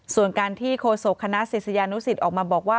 ส่วนการที่โฆษกคณะศิษยานุสิตออกมาบอกว่า